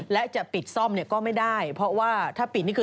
และจะปิดซ่อมเนี่ยก็ไม่ได้เพราะว่าถ้าปิดนี่คือ